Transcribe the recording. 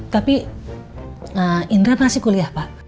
tapi indra masih kuliah pak